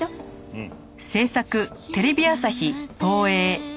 うん。